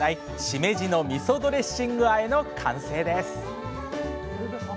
「しめじのみそドレッシングあえ」の完成です！